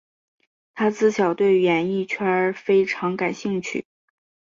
她自小对演艺圈非常感兴趣。